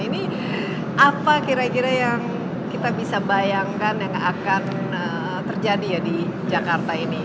ini apa kira kira yang kita bisa bayangkan yang akan terjadi ya di jakarta ini